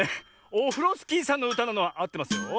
オフロスキーさんのうたなのはあってますよ。